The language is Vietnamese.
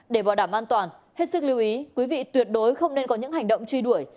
để bảo đảm an toàn hết sức lưu ý quý vị tuyệt đối không nên có những hành động truy đuổi